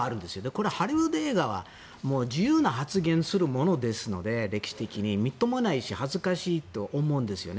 これハリウッド映画は自由な発言をするものですのでみっともないし恥ずかしいと思うんですね。